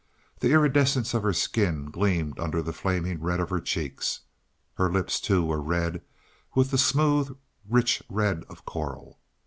The iridescence of her skin gleamed under the flaming red of her cheeks. Her lips, too, were red, with the smooth, rich red of coral.